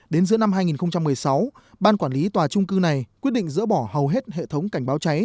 đến giữa năm hai nghìn một mươi sáu ban quản lý tòa trung cư này quyết định dỡ bỏ hầu hết hệ thống cảnh báo cháy